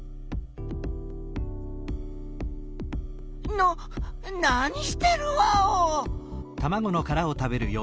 な何してるワオ！？